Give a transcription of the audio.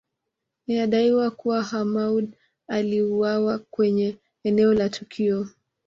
Inadaiwa kuwa Hamoud aliuawa kwenye eneo la tukio